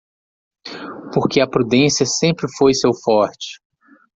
Porque a prudência sempre foi seu forte.